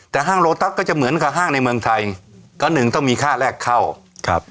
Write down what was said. แต่ห้างโลตัสก็จะเหมือนกับห้างในเมืองไทยก็หนึ่งต้องมีค่าแรกเข้าครับ